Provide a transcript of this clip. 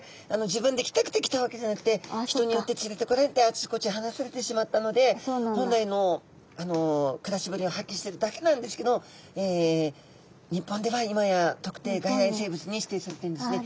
自分で来たくて来たわけじゃなくて人によって連れてこられてあちこち放されてしまったので本来の暮らしぶりを発揮してるだけなんですけど日本では今や特定外来生物に指定されているんですね。